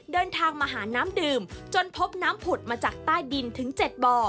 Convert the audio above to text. เดินทางมาหาน้ำดื่มจนพบน้ำผุดมาจากใต้ดินถึง๗บ่อ